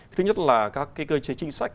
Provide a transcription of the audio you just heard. thứ nhất là các cơ chế chính sách